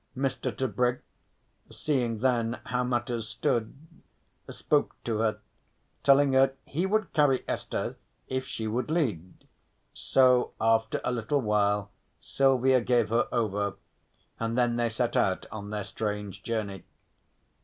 Mr. Tebrick, seeing then how matters stood, spoke to her, telling her he would carry Esther if she would lead, so after a little while Silvia gave her over, and then they set out on their strange journey.